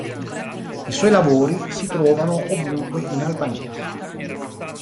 I suoi lavori si trovano ovunque in Albania.